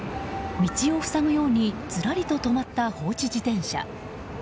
道を塞ぐようにずらりと止まった放置自転車。